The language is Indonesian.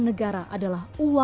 betul pakai aja pula